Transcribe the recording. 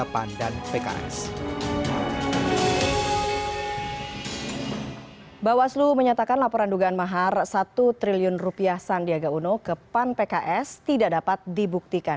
bawaslu menyatakan laporan dugaan mahar satu triliun sandiaga uno ke pan pks tidak dapat dibuktikan